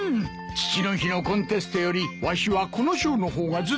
父の日のコンテストよりわしはこの賞の方がずっとうれしい！